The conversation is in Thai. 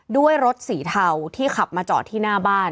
ด้วยรถสีเทาที่ขับมาจอดที่หน้าบ้าน